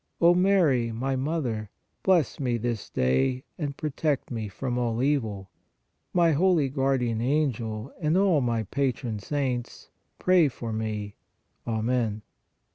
O Mary, my Mother, bless me this day and protect me from all evil. My holy Guardian Angel and all my Patron Saints, pray for me. Amen.